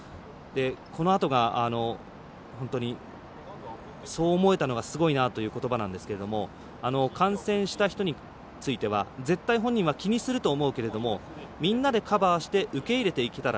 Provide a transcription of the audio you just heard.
このあとが本当にそう思えたのがすごいなということばなんですが感染した人については絶対本人は気にすると思うけどもみんなでカバーして受け入れていけたら。